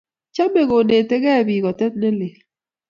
Chomei kuunetigei biik kotet ne lel